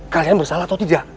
kalian bersalah atau tidak